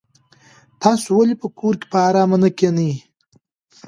تاسو ولې په کور کې په ارامه نه کېنئ؟